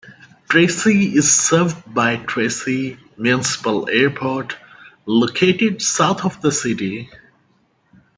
Tracy is served by Tracy Municipal Airport, located south of the city.